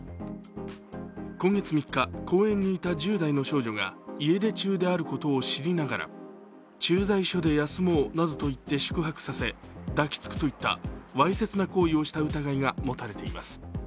今月３日、公園にいた１０代の少女が家出中であることを知りながら駐在所で休もうなどと言って宿泊させ、抱きつくといったわいせつな行為をした疑いが持たれています。